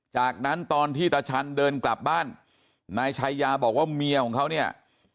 จากนั้นตอนที่ตาชันเดินกลับบ้านนายชายาบอกว่าเมียของเขาเนี่ย